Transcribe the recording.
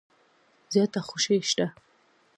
زیاته خوشي شته .